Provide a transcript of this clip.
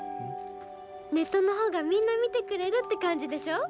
ネットの方がみんな見てくれるって感じでしょ？